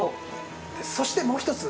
そしてもう一つ。